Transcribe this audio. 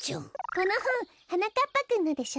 このほんはなかっぱくんのでしょ？